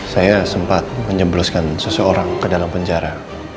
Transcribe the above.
saya sempat menjembloskan seseorang ke dalam penjara